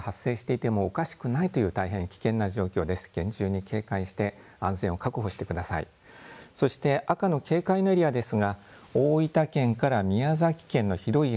すでに大規模な土砂災害が発生していてもおかしくないという大変な危険な状況です。